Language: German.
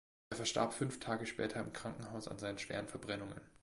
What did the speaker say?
Er verstarb fünf Tage später im Krankenhaus an seinen schweren Verbrennungen.